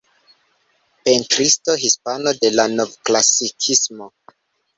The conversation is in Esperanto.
Pentristo hispano de la Novklasikismo.